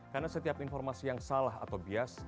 karena setiap informasi yang salah atau bias